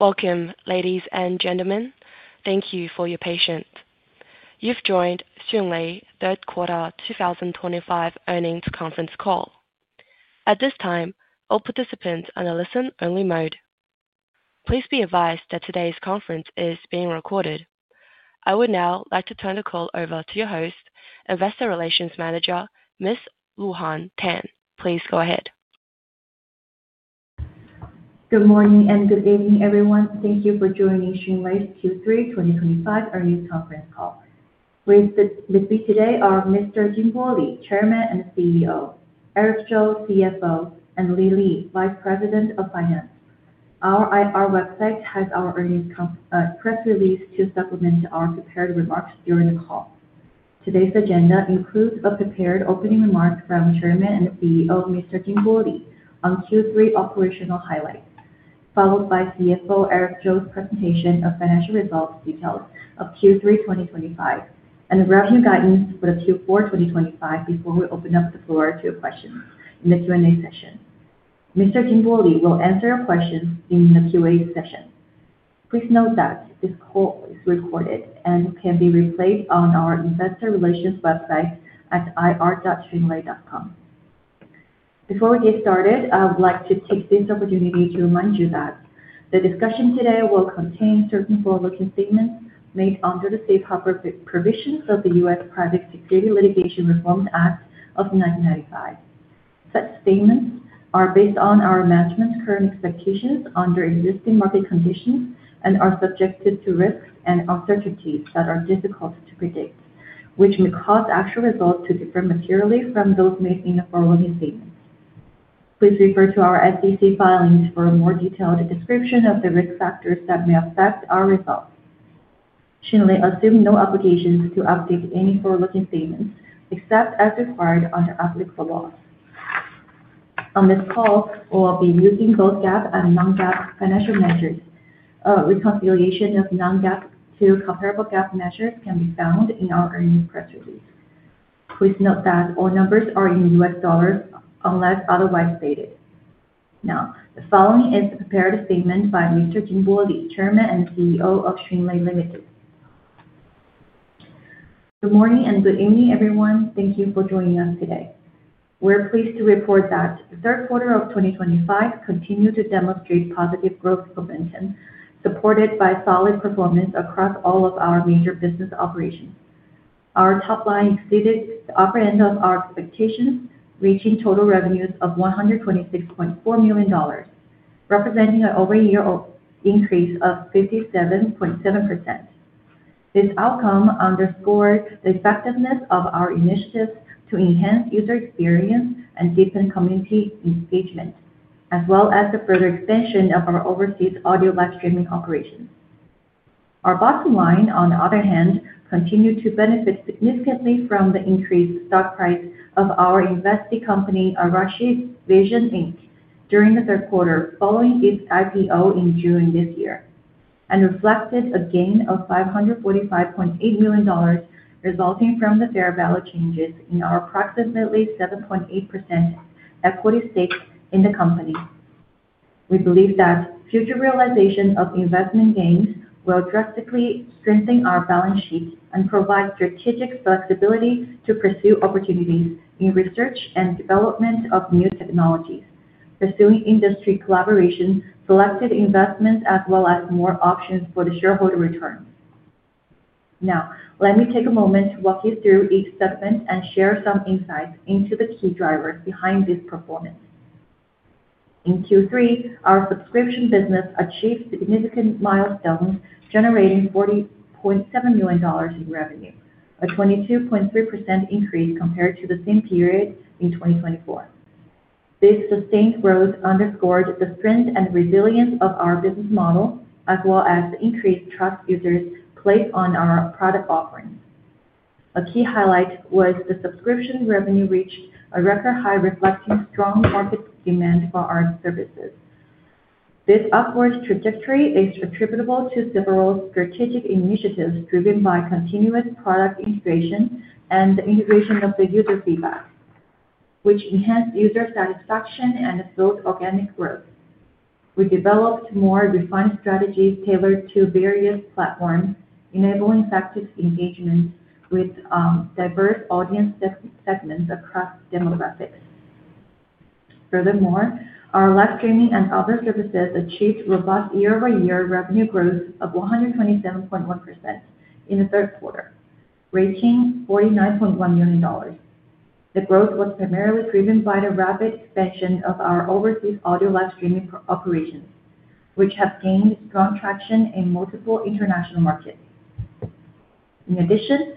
Welcome, ladies and gentlemen. Thank you for your patience. You've joined Xunlei Q3 2025 earnings conference call. At this time, all participants are in a listen-only mode. Please be advised that today's conference is being recorded. I would now like to turn the call over to your host, Investor Relations Manager, Ms. Luhan Tang. Please go ahead. Good morning and good evening, everyone. Thank you for joining Xunlei Q3 2025 earnings conference call. With me today are Mr. Jinbo Li, Chairman and CEO; Eric Zhou, CFO; and Li Li, Vice President of Finance. Our IR website has our earnings press release to supplement our prepared remarks during the call. Today's agenda includes a prepared opening remark from Chairman and CEO Mr. Jinbo Li on Q3 operational highlights, followed by CFO Eric Zhou's presentation of financial results details of Q3 2025, and the revenue guidance for Q4 2025 before we open up the floor to questions in the Q&A session. Mr. Jinbo Li will answer your questions in the Q&A session. Please note that this call is recorded and can be replayed on our Investor Relations website at ir.xunlei.com. Before we get started, I would like to take this opportunity to remind you that the discussion today will contain certain forward-looking statements made under the safe harbor provisions of the U.S. Private Securities Litigation Reform Act of 1995. Such statements are based on our management's current expectations under existing market conditions and are subject to risks and uncertainties that are difficult to predict, which may cause actual results to differ materially from those made in the forward-looking statements. Please refer to our SEC filings for a more detailed description of the risk factors that may affect our results. Xunlei assumes no obligation to update any forward-looking statements except as required under applicable laws. On this call, we will be using both GAAP and non-GAAP financial measures. A reconciliation of non-GAAP to comparable GAAP measures can be found in our earnings press release. Please note that all numbers are in U.S. dollars unless otherwise stated. Now, the following is the prepared statement by Mr. Jinbo Li, Chairman and CEO of Xunlei Limited. Good morning and good evening, everyone. Thank you for joining us today. We're pleased to report that Q3 2025 continues to demonstrate positive growth momentum, supported by solid performance across all of our major business operations. Our top line exceeded the upper end of our expectations, reaching total revenues of $126.4 million, representing an over-a-year increase of 57.7 percent. This outcome underscores the effectiveness of our initiatives to enhance user experience and deepen community engagement, as well as the further expansion of our overseas audio live streaming operations. Our bottom line, on the other hand, continued to benefit significantly from the increased stock price of our investing company, Arashi Vision Inc., during the third quarter, following its IPO in June this year, and reflected a gain of $545.8 million, resulting from the fair value changes in our approximately 7.8 percent equity stake in the company. We believe that future realization of investment gains will drastically strengthen our balance sheet and provide strategic flexibility to pursue opportunities in research and development of new technologies, pursuing industry collaboration, selected investments, as well as more options for the shareholder return. Now, let me take a moment to walk you through each segment and share some insights into the key drivers behind this performance. In Q3, our subscription business achieved significant milestones, generating $40.7 million in revenue, a 22.3 percent increase compared to the same period in 2024. This sustained growth underscored the strength and resilience of our business model, as well as the increased trust users place on our product offerings. A key highlight was the subscription revenue reached a record high, reflecting strong market demand for our services. This upward trajectory is attributable to several strategic initiatives driven by continuous product integration and the integration of the user feedback, which enhanced user satisfaction and fueled organic growth. We developed more refined strategies tailored to various platforms, enabling effective engagement with diverse audience segments across demographics. Furthermore, our live streaming and other services achieved robust year-over-year revenue growth of 127.1 percent in the third quarter, reaching $49.1 million. The growth was primarily driven by the rapid expansion of our overseas audio live streaming operations, which have gained strong traction in multiple international markets. In addition,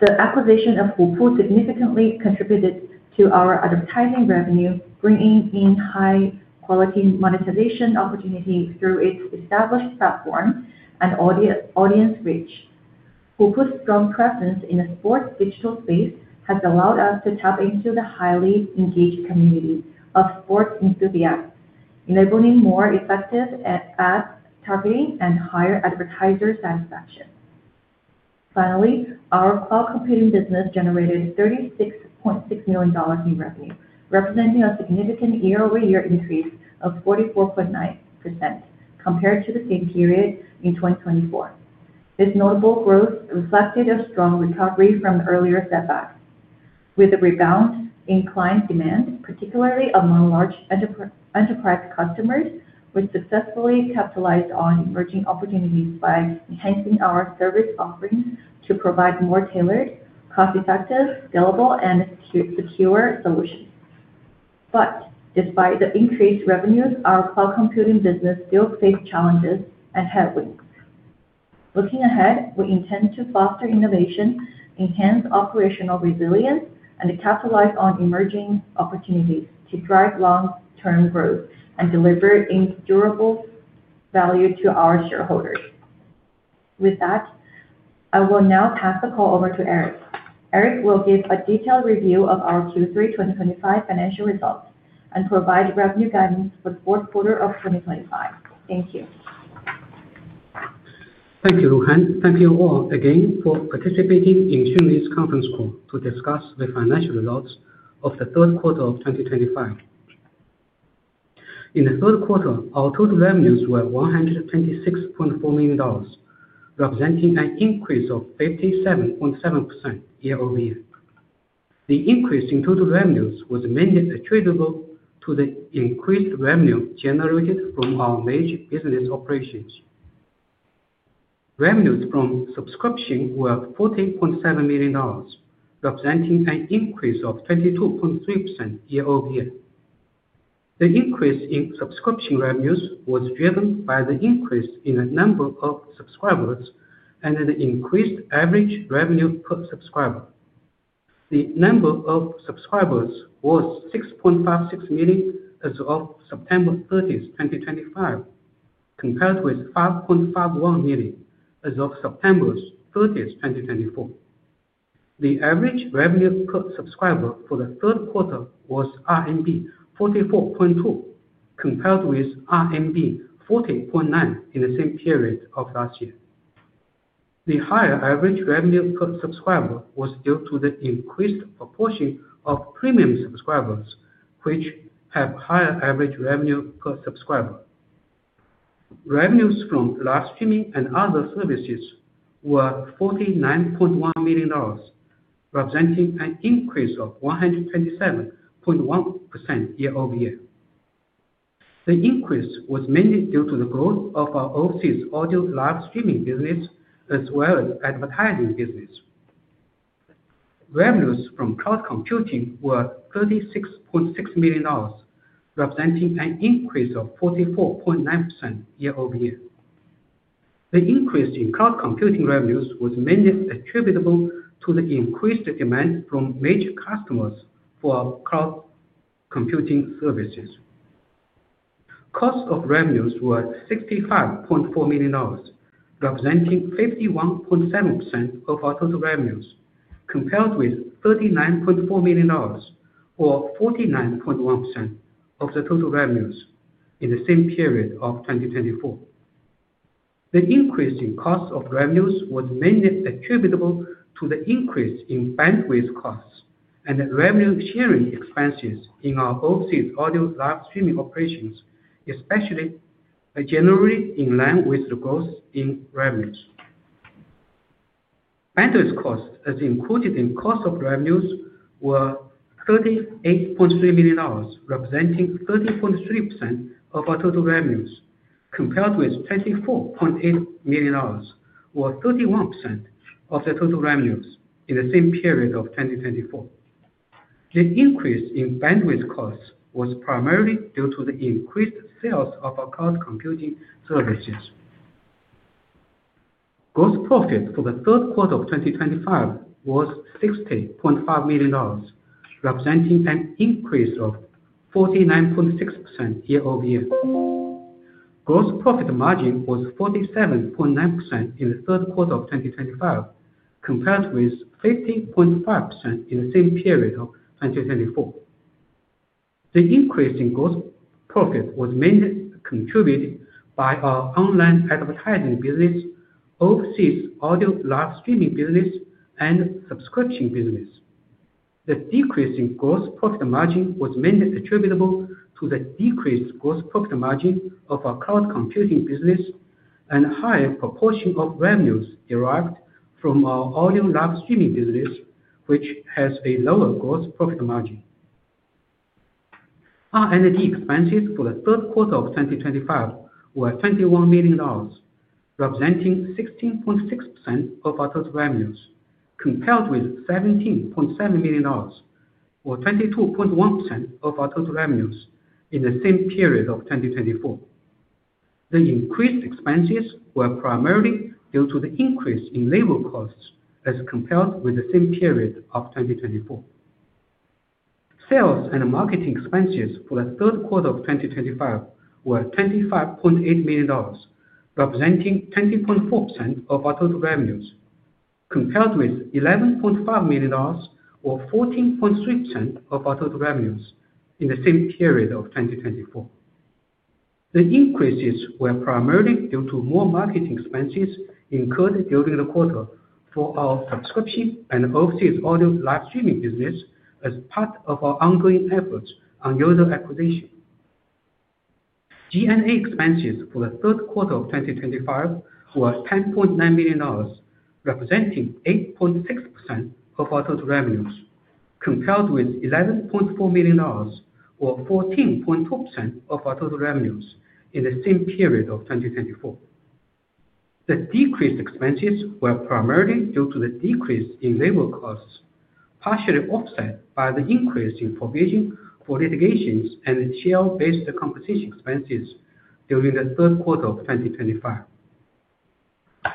the acquisition of Hupu significantly contributed to our advertising revenue, bringing in high-quality monetization opportunities through its established platform and audience reach. Hupu's strong presence in the sports digital space has allowed us to tap into the highly engaged community of sports enthusiasts, enabling more effective ad targeting and higher advertiser satisfaction. Finally, our cloud computing business generated $36.6 million in revenue, representing a significant year-over-year increase of 44.9 percent compared to the same period in 2024. This notable growth reflected a strong recovery from earlier setbacks, with a rebound in client demand, particularly among large enterprise customers, who have successfully capitalized on emerging opportunities by enhancing our service offerings to provide more tailored, cost-effective, scalable, and secure solutions. Despite the increased revenues, our cloud computing business still faces challenges and headwinds. Looking ahead, we intend to foster innovation, enhance operational resilience, and capitalize on emerging opportunities to drive long-term growth and deliver durable value to our shareholders. With that, I will now pass the call over to Eric. Eric will give a detailed review of our Q3 2025 financial results and provide revenue guidance for Q4 of 2025. Thank you. Thank you, Luhan. Thank you all again for participating in Xunlei's conference call to discuss the financial results of Q3 2025. In Q3, our total revenues were $126.4 million, representing an increase of 57.7 percent year-over-year. The increase in total revenues was mainly attributable to the increased revenue generated from our major business operations. Revenues from subscription were $14.7 million, representing an increase of 22.3 percent year-over-year. The increase in subscription revenues was driven by the increase in the number of subscribers and the increased average revenue per subscriber. The number of subscribers was 6.56 million as of September 30, 2025, compared with 5.51 million as of September 30, 2024. The average revenue per subscriber for Q3 was RMB 44.2, compared with RMB 40.9 in the same period of last year. The higher average revenue per subscriber was due to the increased proportion of premium subscribers, which have higher average revenue per subscriber. Revenues from live streaming and other services were $49.1 million, representing an increase of 127.1 percent year-over-year. The increase was mainly due to the growth of our overseas audio live streaming business, as well as advertising business. Revenues from cloud computing were $36.6 million, representing an increase of 44.9 percent year-over-year. The increase in cloud computing revenues was mainly attributable to the increased demand from major customers for cloud computing services. Cost of revenues were $65.4 million, representing 51.7 percent of our total revenues, compared with $39.4 million, or 49.1 percent of the total revenues in the same period of 2024. The increase in cost of revenues was mainly attributable to the increase in bandwidth costs and revenue-sharing expenses in our overseas audio live streaming operations, especially generally in line with the growth in revenues. Bandwidth costs as included in cost of revenues were $38.3 million, representing 30.3 percent of our total revenues, compared with $24.8 million, or 31 percent of the total revenues in the same period of 2024. The increase in bandwidth costs was primarily due to the increased sales of our cloud computing services. Gross profit for Q3 2025 was $60.5 million, representing an increase of 49.6 percent year-over-year. Gross profit margin was 47.9 percent in Q3 2025, compared with 15.5 percent in the same period of 2024. The increase in gross profit was mainly contributed by our online advertising business, overseas audio live streaming business, and subscription business. The decrease in gross profit margin was mainly attributable to the decreased gross profit margin of our cloud computing business and a higher proportion of revenues derived from our audio live streaming business, which has a lower gross profit margin. Our energy expenses for Q3 2025 were $21 million, representing 16.6 percent of our total revenues, compared with $17.7 million, or 22.1 percent of our total revenues in the same period of 2024. The increased expenses were primarily due to the increase in labor costs as compared with the same period of 2024. Sales and marketing expenses for Q3 2025 were $25.8 million, representing 20.4 percent of our total revenues, compared with $11.5 million, or 14.3 percent of our total revenues in the same period of 2024. The increases were primarily due to more marketing expenses incurred during the quarter for our subscription and overseas audio live streaming business as part of our ongoing efforts on user acquisition. G&A expenses for Q3 2025 were $10.9 million, representing 8.6 percent of our total revenues, compared with $11.4 million, or 14.2 percent of our total revenues in the same period of 2024. The decreased expenses were primarily due to the decrease in labor costs, partially offset by the increase in provision for litigations and share-based compensation expenses during Q3 2025.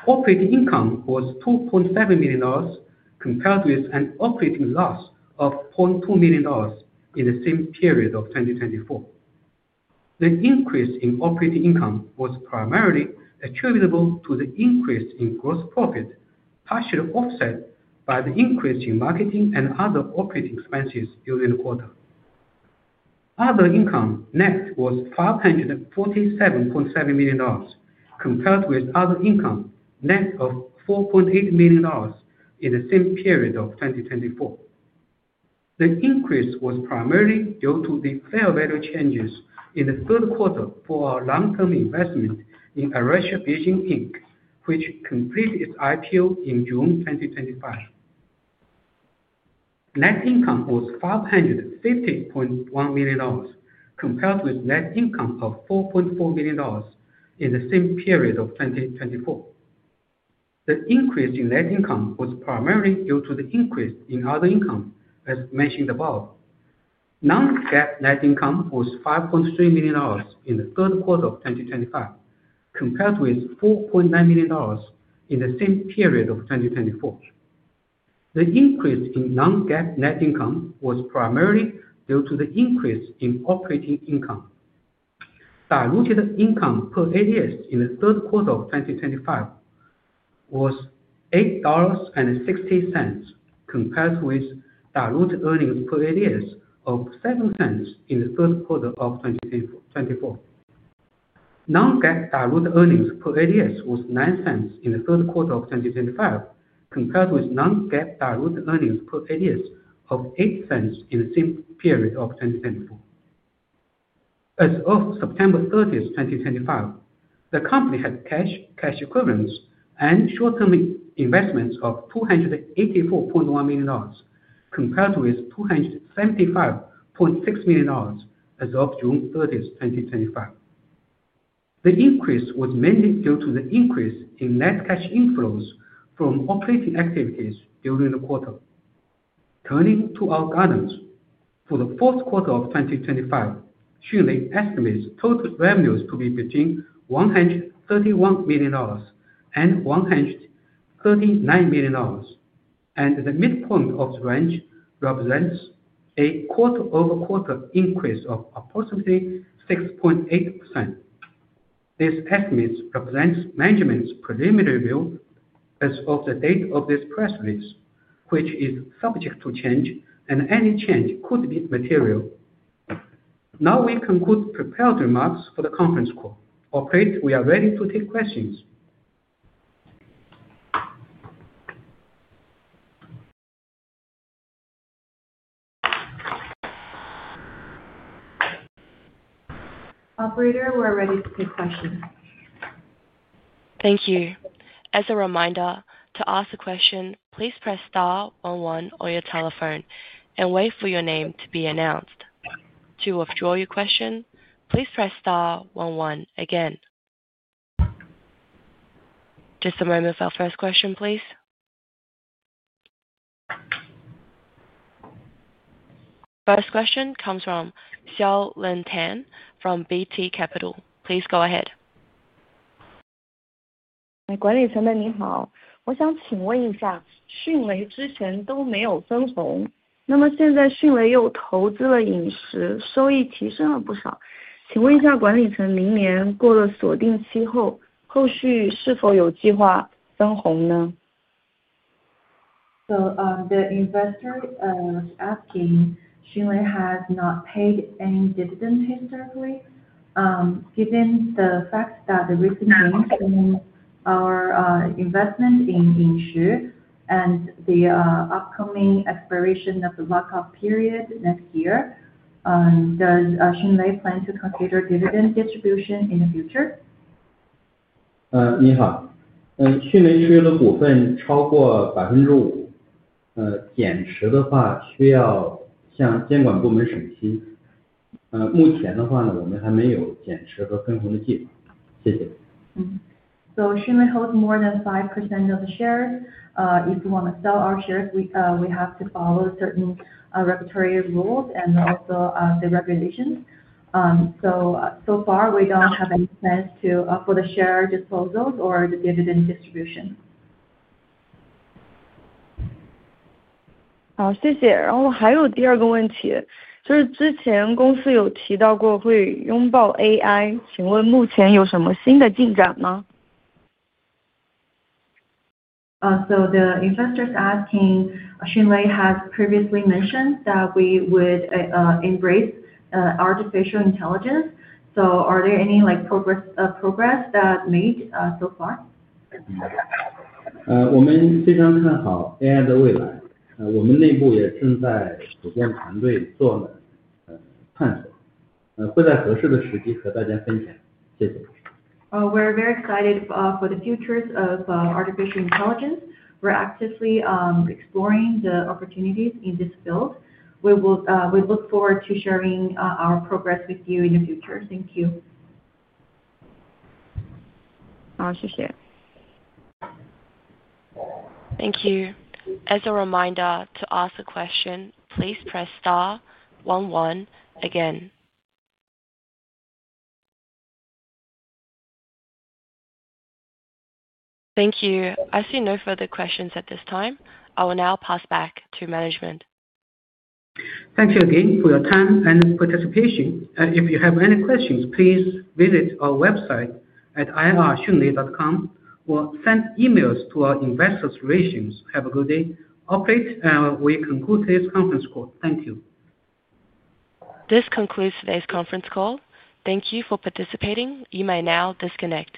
Operating income was $2.7 million, compared with an operating loss of $0.2 million in the same period of 2024. The increase in operating income was primarily attributable to the increase in gross profit, partially offset by the increase in marketing and other operating expenses during the quarter. Other income net was $547.7 million, compared with other income net of $4.8 million in the same period of 2024. The increase was primarily due to the fair value changes in Q3 for our long-term investment in Arashi Vision Inc., which completed its IPO in June 2025. Net income was $550.1 million, compared with net income of $4.4 million in the same period of 2024. The increase in net income was primarily due to the increase in other income, as mentioned above. Non-GAAP net income was $5.3 million in Q3 2025, compared with $4.9 million in the same period of 2024. The increase in Non-GAAP net income was primarily due to the increase in operating income. Diluted income per ADS in Q3 2025 was $8.60, compared with diluted earnings per ADS of $0.07 in Q3 2024. Non-GAAP diluted earnings per ADS was $0.09 in Q3 2025, compared with non-GAAP diluted earnings per ADS of $0.08 in the same period of 2024. As of September 30, 2025, the company had cash, cash equivalents, and short-term investments of $284.1 million, compared with $275.6 million as of June 30, 2025. The increase was mainly due to the increase in net cash inflows from operating activities during the quarter. Turning to our guidance, for Q4 2025, Xunlei estimates total revenues to be between $131 million and $139 million, and the midpoint of the range represents a quarter-over-quarter increase of approximately 6.8 percent. This estimate represents management's preliminary view as of the date of this press release, which is subject to change, and any change could be material. Now we conclude prepared remarks for the conference call. Operator, we are ready to take questions. Operator, we're ready to take questions. Thank you. As a reminder, to ask a question, please press star 11 on your telephone and wait for your name to be announced. To withdraw your question, please press star 11 again. Just a moment for our first question, please. First question comes from Xiao Lin Tang from BT Capital. Please go ahead. 管理层的你好。我想请问一下，Xunlei之前都没有分红，那么现在Xunlei又投资了饮食，收益提升了不少。请问一下管理层明年过了锁定期后，后续是否有计划分红呢？ The investor was asking Xunlei has not paid any dividend historically. Given the fact that the recent gain from our investment in Arashi Vision and the upcoming expiration of the lock-up period next year, does Xunlei plan to consider dividend distribution in the future? 你好。Xunlei持有的股份超过5 percent，减持的话需要向监管部门审批。目前的话，我们还没有减持和分红的计划。谢谢。Xunlei holds more than 5 percent of the shares. If we want to sell our shares, we have to follow certain regulatory rules and also the regulations. So far, we don't have any plans for the share disposals or the dividend distribution. 谢谢。还有第二个问题，就是之前公司有提到过会拥抱AI，请问目前有什么新的进展吗？ The investor is asking Xunlei has previously mentioned that we would embrace artificial intelligence. Are there any progress that made so far? 我们非常看好AI的未来。我们内部也正在组建团队做探索，会在合适的时机和大家分享。谢谢。We're very excited for the futures of artificial intelligence. We're actively exploring the opportunities in this field. We look forward to sharing our progress with you in the future. Thank you. Thank you. As a reminder to ask a question, please press star 11 again. Thank you. I see no further questions at this time. I will now pass back to management. Thank you again for your time and participation. If you have any questions, please visit our website at ixunlei.com or send emails to our investor relations. Have a good day. Operator, we conclude today's conference call. Thank you. This concludes today's conference call. Thank you for participating. You may now disconnect.